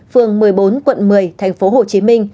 phường một mươi bốn quận một mươi tp hcm